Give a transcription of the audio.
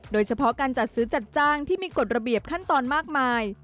โดยเฉพาะการจัดซื้อจัดจ้างที่มีกฎระเบียบขั้นตอนมากมาย